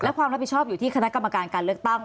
และความรับผิดชอบอยู่ที่คณะกรรมการการเลือกตั้ง